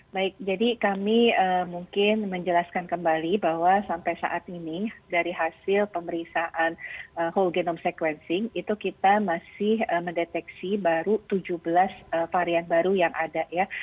baik jadi kami mungkin menjelaskan kembali bahwa sampai saat ini dari hasil pemeriksaan whole genome sequencing itu kita masih mendeteksi baru tujuh belas varian baru yang ada ya